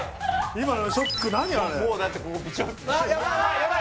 今のショック何あれ？